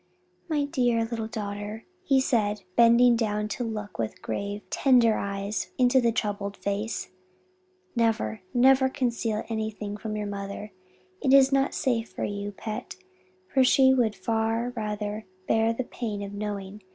"My dear little daughter," he said bending down to look with grave, tender eyes into the troubled face, "never, never conceal anything from your mother; it is not safe for you, pet; and she would far rather bear the pain of knowing.